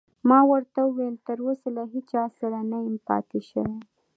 ما ورته وویل: تراوسه له هیڅ چا سره نه یم پاتې شوی.